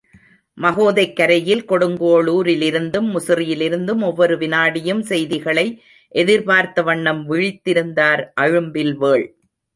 மகோதைக் கரையில் கொடுங்கோளுரிலிருந்தும், முசிறியிலிருந்தும் ஒவ்வொரு விநாடியும் செய்திகளை எதிர்பார்த்த வண்ணம் விழித்திருந்தார் அழும்பில்வேள்.